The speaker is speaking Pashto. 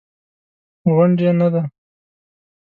غونډ یې نه دی.